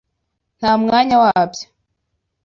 Nta mwanya wabyo.